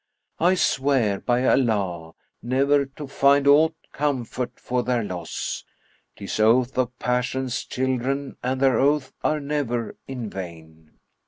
I swear, by Allah, ne'er to find aught comfort for their loss; * "Tis oath of passion's children and their oaths are ne'er in vain.